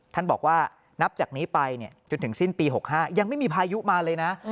ท่านบอกว่านับจากนี้ไปจนถึงสิ้นปี๖๕ยังไม่มีพายุมาเลยนะ